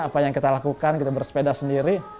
apa yang kita lakukan kita bersepeda sendiri